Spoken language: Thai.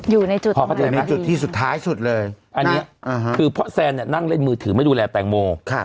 อยู่ในจุดนี้จุดที่สุดท้ายสุดเลยอันนี้คือเพราะแซนเนี่ยนั่งเล่นมือถือไม่ดูแลแตงโม